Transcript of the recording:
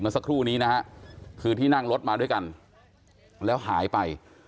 สักครู่นี้นะฮะคือที่นั่งรถมาด้วยกันแล้วหายไป